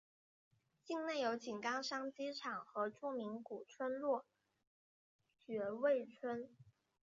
境内有井冈山机场和著名古村落爵誉村。